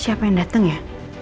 siapa yang dateng ya